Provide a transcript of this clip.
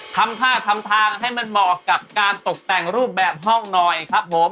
ทำท่าทำทางให้มันเหมาะกับการตกแต่งรูปแบบห้องหน่อยครับผม